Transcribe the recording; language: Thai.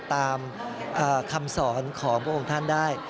ตามคำสอนของพระองค์ท่านได้